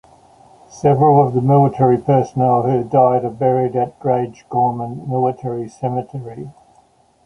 Several of the military personnel who died are buried in Grangegorman Military Cemetery.